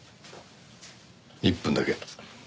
１分だけ。